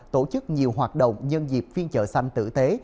tổ chức nhiều hoạt động nhân dịp phiên chợ xanh tử tế